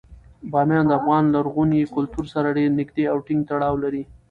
بامیان د افغان لرغوني کلتور سره ډیر نږدې او ټینګ تړاو لري.